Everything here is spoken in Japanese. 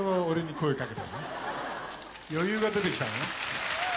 余裕が出てきたね。